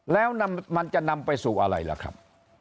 แล้วมันจะนำไปสู่อะไรล่ะครับ